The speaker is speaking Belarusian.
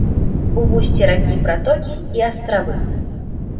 У вусці ракі пратокі і астравы.